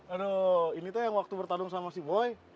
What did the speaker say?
aduh ini tuh yang waktu bertarung sama si boy